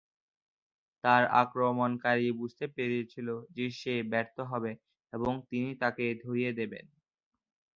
তার আক্রমণকারী বুঝতে পেরেছিল যে সে ব্যর্থ হবে এবং তিনি তাকে ধরিয়ে দেবেন।